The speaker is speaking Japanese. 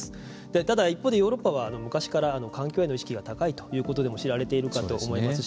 ただ、一方でヨーロッパは昔から環境への意識が高いということでも知られていると思いますし。